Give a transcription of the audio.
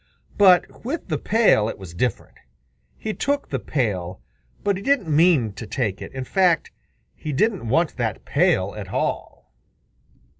But with the pail it was different. He took the pail, but he didn't mean to take it. In fact, he didn't want that pail at all.